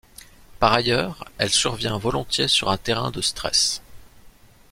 Par ailleurs, elle survient volontiers sur un terrain de stress.